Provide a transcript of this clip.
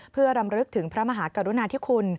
เพื่อรำลึกถึงพระมหากรุณาธิคุณ